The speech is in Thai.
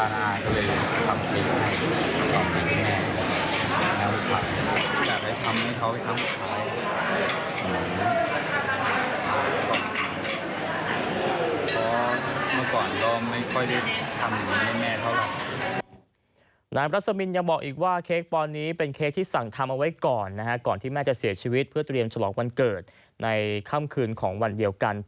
นายรัสมินยังบอกอีกว่าเค้กปอนนี้เป็นเค้กที่สั่งทำเอาไว้ก่อนนะฮะก่อนที่แม่จะเสียชีวิตเพื่อเตรียมฉลองวันเกิดในค่ำคืนของวันเดียวกัน